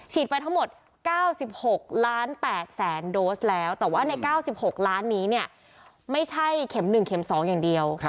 ฉีดไปทั้งหมด๙๖๘นโดสแล้วถ้าว่าใน๙๖ล้านนี้ไม่ใช่เข็ม๑๒อย่างเดียว